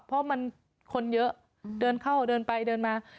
เพราะมันคนเยอะเดินเข้าเดินไปเดินมา